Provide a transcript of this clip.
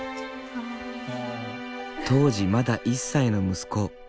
当時まだ１歳の息子悠仁くん。